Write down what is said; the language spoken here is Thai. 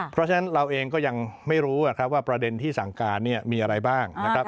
เพราะฉะนั้นเราเองก็ยังไม่รู้ว่าประเด็นที่สั่งการเนี่ยมีอะไรบ้างนะครับ